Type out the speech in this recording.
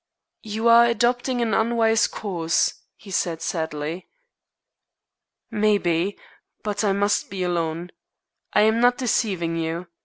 "You are adopting an unwise course," he said sadly. "Maybe. But I must be alone. I am not deceiving you.